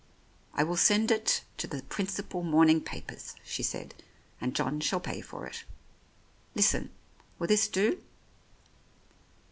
"I will send it to the principal morning papers," she said, "and John shall pay for it. Listen ! Will this do?